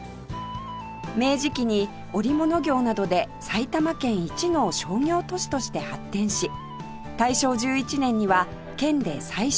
明治期に織物業などで埼玉県一の商業都市として発展し大正１１年には県で最初の市